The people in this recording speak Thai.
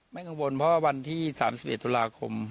ไม่กังวลเพราะวันที่๓๑ธุราคม